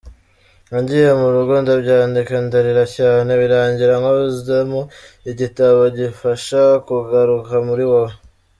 Nagiye mu rugo ndabyandika ndarira cyane, birangira nkozemo igitabo gifasha kugaruka muri wowe.